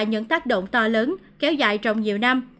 đối với những tác động to lớn kéo dài trong nhiều năm